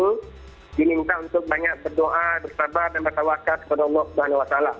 itu diminta untuk banyak berdoa bersabar dan bertawakat kepada allah swt